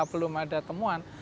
belum ada temuan